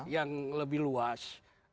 yang lebih luas